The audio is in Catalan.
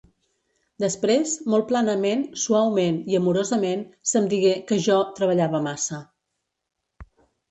Després, molt planament, suaument i amorosament se'm digué que jo treballava massa.